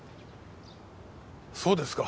そうですか。